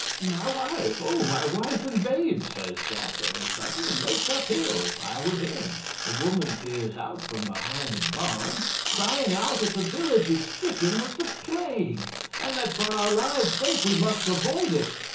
'"My wife! Oh, my wife and babes!" says Jack of a sudden, and makes uphill I with him. 'A woman peers out from behind a barn, crying out that the village is stricken with the plague, and that for our lives' sake we must avoid it.